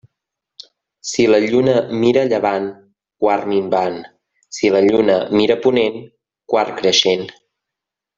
Si la lluna mira a llevant, quart minvant; si la lluna mira a ponent, quart creixent.